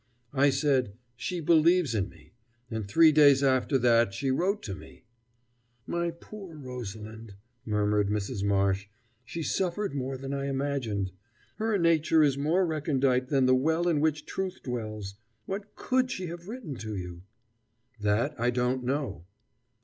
I said: 'She believes in me.' And three days after that she wrote to me " "My poor Rosalind!" murmured Mrs. Marsh. "She suffered more than I imagined. Her nature is more recondite than the well in which Truth dwells. What could she have written to you?" "That I don't know."